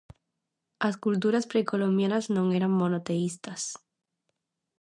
As culturas precolombinas non eran monoteístas.